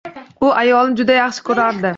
U ayolini juda yaxshi ko‘rardi.